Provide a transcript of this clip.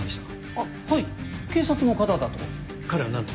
あっはい警察の方だと。